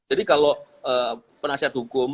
jadi kalau penasihat hukum